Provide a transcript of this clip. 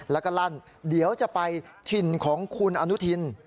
แล้วก็ลั่นเดี๋ยวจะไปถิ่นของคุณอนุทิน